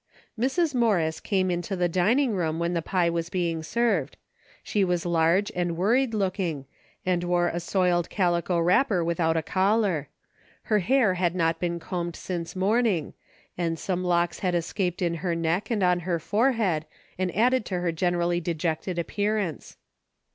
Mrs. Morris came into the dining room when the pie was being served. She was large and worried looking, and wore a soiled calico wrapper without a collar. Her hair had not been combed since morning and some locks had escaped in her neck and on her forehead and added to her generally dejected appear ance.